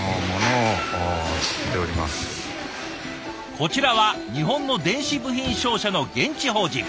こちらは日本の電子部品商社の現地法人。